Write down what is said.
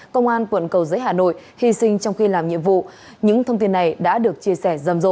công an quận cầu giấy hà nội hy sinh trong khi làm nhiệm vụ những thông tin này đã được chia sẻ rầm rộ